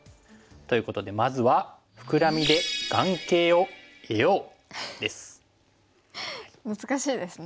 ということでまずは難しいですね。